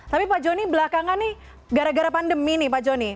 tapi pak joni belakangan nih gara gara pandemi nih pak joni